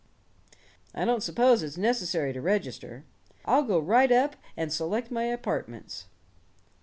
I don't suppose it's necessary to register. I'll go right up and select my apartments."